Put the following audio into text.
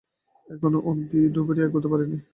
এখনো অব্ধি ডুবুরিরা এগোতে পারেনি।